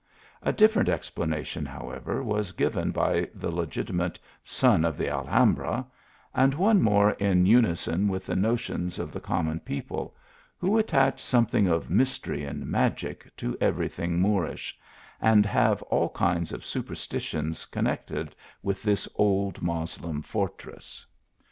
A different explanation, however, was given by the legitimate "son of the Alhambra," and one more in unison with the notions of the common people, who attach something of mystery and magic to every thing Moorisn, anu have all kinds of superstitions connected with this old Moslem fortress.